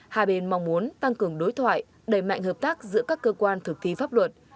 hai bên mong muốn tăng cường đối thoại đẩy mạnh hợp tác giữa các cơ quan thực thi pháp luật